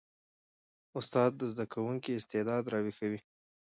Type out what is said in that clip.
استاد د زده کوونکي استعداد راویښوي.